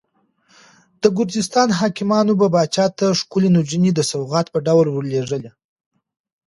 د ګرجستان حاکمانو به پاچا ته ښکلې نجونې د سوغات په ډول لېږلې.